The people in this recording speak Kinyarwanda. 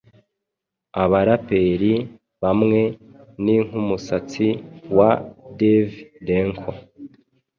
Abaraperi bamwe nink’umusatsi wa devy denko